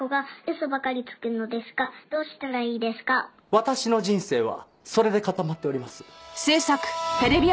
私の人生はそれで固まっております。